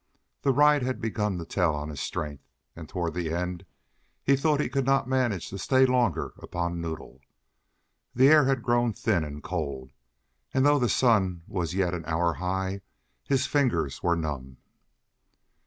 The ride had begun to tell on his strength, and toward the end he thought he could not manage to stay longer upon Noddle. The air had grown thin and cold, and though the sun was yet an hour high, his fingers were numb.